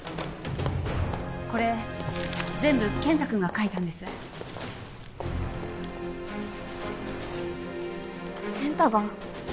これ全部健太君が書いたんです健太が？